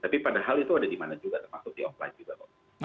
tapi padahal itu ada di mana juga termasuk di offline juga kok